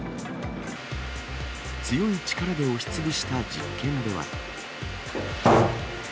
強い力で押しつぶした実験では。